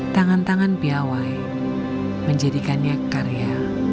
tangan tangan piawai menjadikannya karya